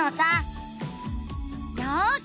よし！